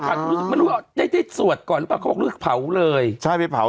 เป็นอาจรู้ติดต้ายฟังค่ะรู้หรือยังว่าได้ซั่วดก่อนหรือเปล่า